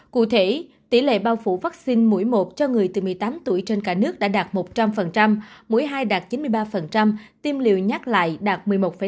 cụ thể tỷ lệ bao phủ vaccine mũi một cho người từ một mươi tám tuổi trên cả nước đã đạt một trăm linh mũi hai đạt chín mươi ba tiêm liều nhắc lại đạt một mươi một năm